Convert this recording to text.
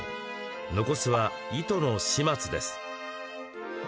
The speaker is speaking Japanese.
残すは糸の始末です。